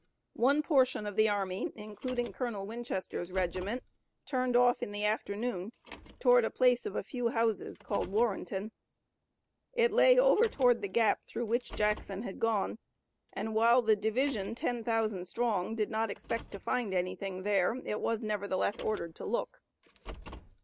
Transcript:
One portion of the army including Colonel Winchester's regiment turned off in the afternoon toward a place of a few houses called Warrenton. It lay over toward the Gap through which Jackson had gone and while the division ten thousand strong did not expect to find anything there it was nevertheless ordered to look.